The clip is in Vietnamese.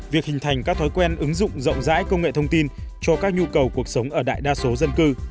việc hình thành các thói quen ứng dụng rộng rãi công nghệ thông tin cho các nhu cầu cuộc sống ở đại đa số dân cư